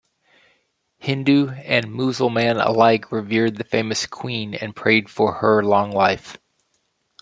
Hindu and Musalman alike revered the famous Queen and prayed for her long life.